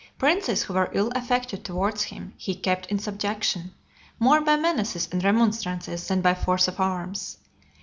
Princes who were ill affected towards him, he kept in subjection, more by menaces and remonstrances, than by force of arms.